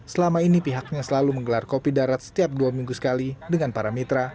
selama ini pihaknya selalu menggelar kopi darat setiap dua minggu sekali dengan para mitra